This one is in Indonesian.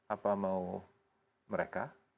apa mau mereka